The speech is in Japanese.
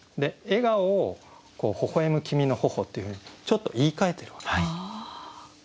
「笑顔」を「ほほえむ君の頬」っていうふうにちょっと言いかえてるわけです。